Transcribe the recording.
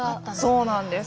そうなんです。